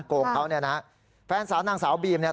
โกงเขาเนี่ยนะฮะแฟนสาวนางสาวบีมเนี่ย